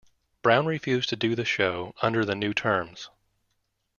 Brown refused to do the show under the new terms.